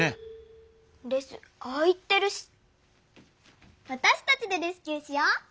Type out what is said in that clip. レスああ言ってるしわたしたちでレスキューしよう！